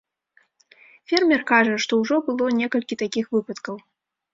Фермер кажа, што ўжо было некалькі такіх выпадкаў.